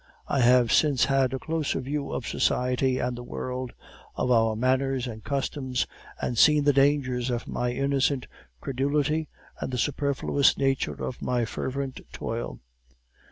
I have since had a closer view of society and the world, of our manners and customs, and seen the dangers of my innocent credulity and the superfluous nature of my fervent toil.